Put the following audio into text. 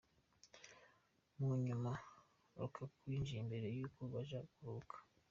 Mu nyuma Lukaku yinjije imbere y'uko baja kuruhuka.